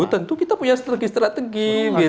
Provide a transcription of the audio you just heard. tentu kita punya strategi strategi